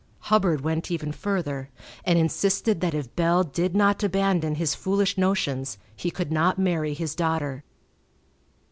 Hubbard went even further, and insisted that if Bell did not abandon his foolish notions he could not marry his daughter.